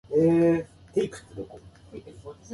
もうほぼ終わってしまったのか。